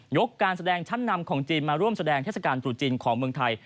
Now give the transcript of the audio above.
การแสดงชั้นนำของจีนมาร่วมแสดงเทศกาลตรุษจีนของเมืองไทย